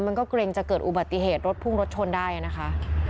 มันก็เกรงจะเกิดอุบัติเหตุรถพุ่งรถชนได้นะคะ